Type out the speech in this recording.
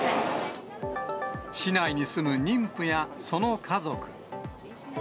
市内に住む妊婦やその家族。